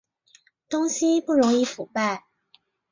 东西不容易腐败